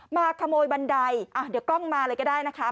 มาขโมยบันไดเดี๋ยวกล้องมาเลยก็ได้นะคะ